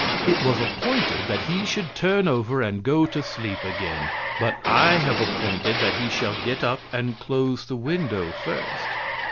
It was appointed that he should turn over and go to sleep again. But I have appointed that he shall get up and close the window first.